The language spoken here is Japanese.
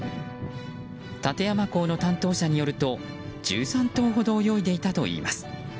館山港の担当者によると１３頭ほど泳いでいたといいます。